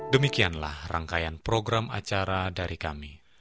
demikianlah rangkaian program acara dari kami